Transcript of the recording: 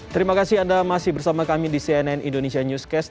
terima kasih anda masih bersama kami di cnn indonesia newscast